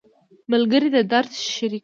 ملګری د درد شریک وي